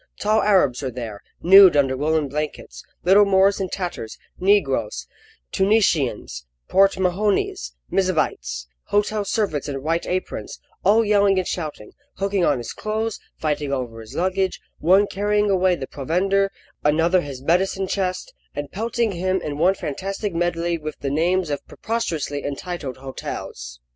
Tall Arabs were there, nude under woollen blankets, little Moors in tatters, Negroes, Tunisians, Port Mahonese, M'zabites, hotel servants in white aprons, all yelling and shouting, hooking on his clothes, fighting over his luggage, one carrying away the provender, another his medicine chest, and pelting him in one fantastic medley with the names of preposterously entitled hotels.